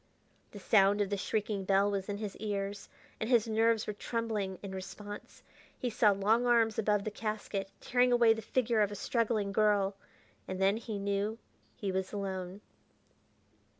The sound of the shrieking bell was in his ears, and his nerves were trembling in response. He saw long arms above the casket, tearing away the figure of a struggling girl.... And then he knew he was alone....